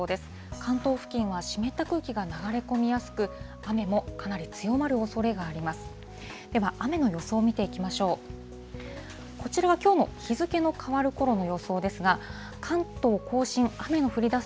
関東付近は湿った空気が流れ込みやすく、雨もかなり強まるおそれがあります。